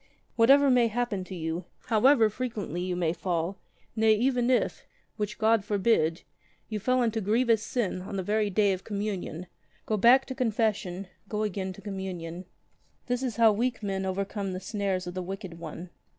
"Whatever may happen to you, however frequently you may fall — nay even if, which God forbid, you fell into grievous sin on the very day of Communion, go back to 42 confession, go again to Communion. This is how weak men overcome the snares of the wicked one.